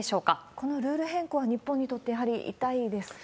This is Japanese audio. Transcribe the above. このルール変更は日本にとってやはり痛いですか？